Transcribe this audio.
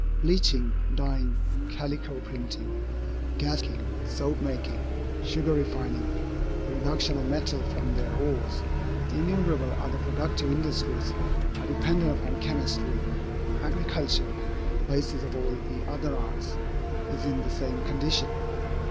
Bleaching, dyeing, calico printing, gas making, soap making, sugar refining, the reduction of metals from their ores, with innumerable other productive industries, are dependent upon chemistry. Agriculture, the basis of all the other arts, is in the same condition.